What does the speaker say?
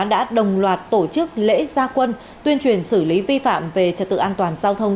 đã đồng loạt tổ chức lễ gia quân tuyên truyền xử lý vi phạm về trật tự an toàn giao thông